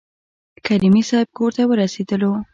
کریمي صیب کورته ورسېدلو.